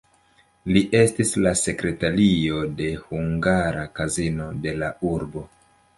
Li estis la sekretario de hungara kazino de la urbo.